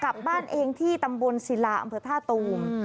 กลับบ้านเองที่ตำบลศิลาอำเภอท่าตูม